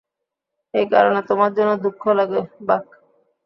এই কারণে তোমার জন্য দুঃখ লাগে, বাক।